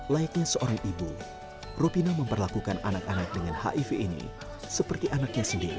layaknya seorang ibu ropina memperlakukan anak anak dengan hiv ini seperti anaknya sendiri